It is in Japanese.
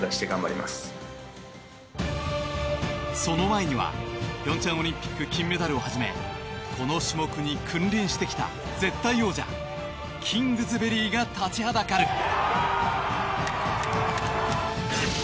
その前には、平昌オリンピック金メダルをはじめこの種目に君臨してきた絶対王者キングズベリーが立ちはだかる。